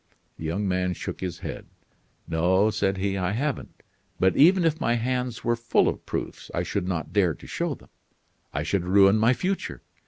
The young man shook his head. "No," said he, "I haven't; but even if my hands were full of proofs I should not dare to show them. I should ruin my future.